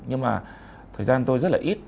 nhưng mà thời gian tôi rất là ít